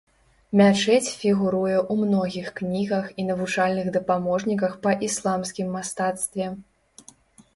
Мячэць фігуруе ў многіх кнігах і навучальных дапаможніках па ісламскім мастацтве.